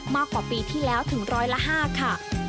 มากกว่าปีที่แล้วถึงร้อยละ๕ค่ะ